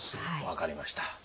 分かりました。